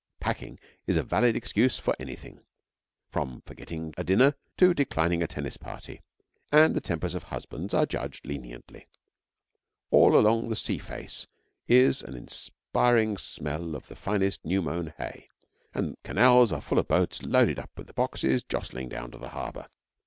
'Packing' is a valid excuse for anything, from forgetting a dinner to declining a tennis party, and the tempers of husbands are judged leniently. All along the sea face is an inspiring smell of the finest new mown hay, and canals are full of boats loaded up with the boxes jostling down to the harbour.